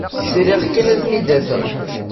Sriɣ kan ad ten-id-afeɣ.